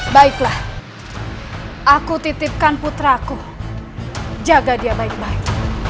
baiklah aku titipkan putra aku jaga dia baik baik